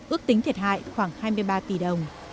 ước tính thiệt hại khoảng hai mươi ba tỷ đồng